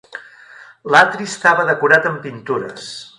L'atri estava decorat amb pintures.